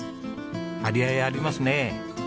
張り合いありますね。